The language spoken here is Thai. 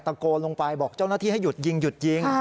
โกนลงไปบอกเจ้าหน้าที่ให้หยุดยิงหยุดยิง